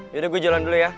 yaudah gue jalan dulu ya